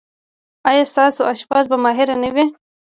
ایا ستاسو اشپز به ماهر نه وي؟